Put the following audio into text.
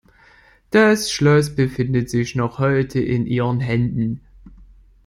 Das Schloss befindet sich noch heute in ihren Händen.